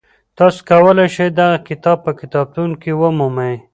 تاسو کولی شئ دغه کتاب په کتابتون کي ومومئ.